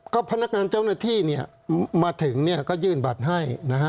ก็พนักงานเจ้าหน้าที่มาถึงก็ยื่นบัตรให้นะฮะ